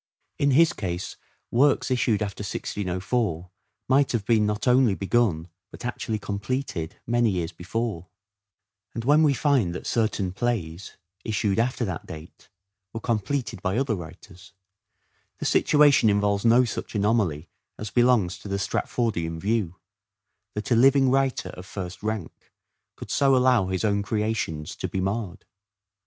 In his case works issued after 1604 might have been not only begun but actually completed many years before ; and when we find that certain plays, issued after that date, were completed by other writers, the situation involves no such anomaly as belongs to the Stratf ordian view : that a living writer of first rank could so allow his own creations to be marred.